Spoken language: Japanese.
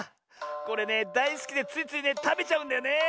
これねだいすきでついついねたべちゃうんだよねえ。